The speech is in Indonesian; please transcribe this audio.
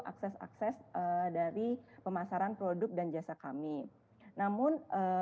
akses akses dari pemasaran produk dan jasa kami namun